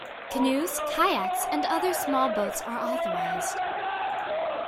Canoes, kayaks, and other small boats are authorized.